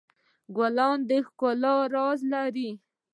ګلان د ښکلا راز لري.